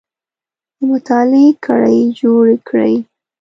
د مطالعې کړۍ جوړې کړئ